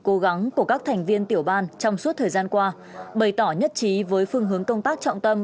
cố gắng của các thành viên tiểu ban trong suốt thời gian qua bày tỏ nhất trí với phương hướng công tác trọng tâm